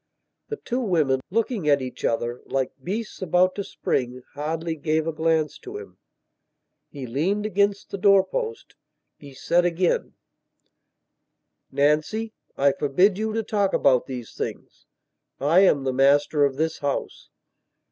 The two women, looking at each other, like beasts about to spring, hardly gave a glance to him. He leaned against the door post. He said again: "Nancy, I forbid you to talk about these things. I am the master of this house."